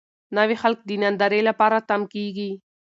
نوي خلک د نندارې لپاره تم کېږي.